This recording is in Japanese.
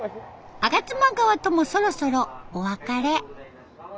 吾妻川ともそろそろお別れ。